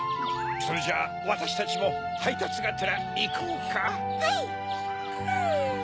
それじゃわたしたちもはいたつがてらいこうか？